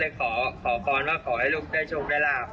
ลูกก็ขอฟอนว่าขอให้ลูกได้ชมได้ราบ